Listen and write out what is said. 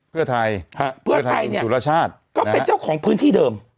เพื่อไทยฮะเพื่อไทยเนี่ยสุรชาติก็เป็นเจ้าของพื้นที่เดิม